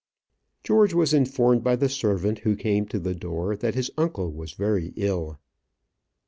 George was informed by the servant who came to the door that his uncle was very ill.